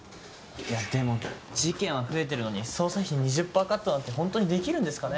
いやでも事件は増えてるのに捜査費２０％カットなんてほんとにできるんですかね。